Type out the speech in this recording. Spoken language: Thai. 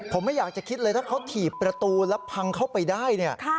ผมไม่อยากจะคิดเลยถ้าเขาถีบประตูแล้วพังเข้าไปได้เนี่ย